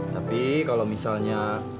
tapi kalau misalnya